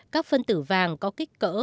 các phân tử vàng có kích cỡ